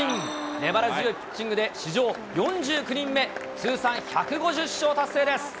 粘り強いピッチングで、史上４９人目、通算１５０勝達成です。